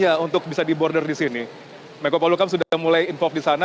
sebelumnya untuk bisa di border di sini mekopalukam sudah mulai informasi di sana